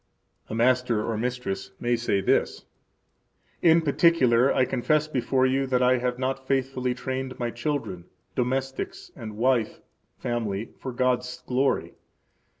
A master or mistress may say thus: In particular I confess before you that I have not faithfully trained my children, domestics, and wife [family] for God's glory.